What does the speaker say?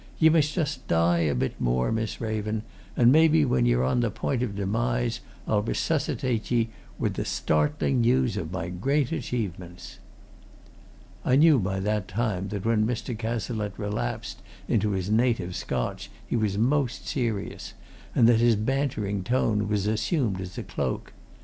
Ye must just die a bit more, Miss Raven, and maybe when ye're on the point of demise I'll resuscitate ye with the startling news of my great achievements." I knew by that time that when Mr. Cazalette relapsed into his native Scotch he was most serious, and that his bantering tone was assumed as a cloak.